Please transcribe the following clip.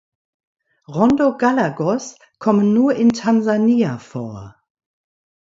Rondo-Galagos kommen nur in Tansania vor.